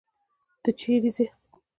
ته چيري ځې.